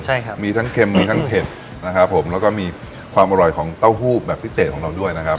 ใช่ครับมีทั้งเค็มมีทั้งเผ็ดนะครับผมแล้วก็มีความอร่อยของเต้าหู้แบบพิเศษของเราด้วยนะครับ